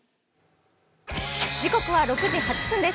時刻は６時８分です。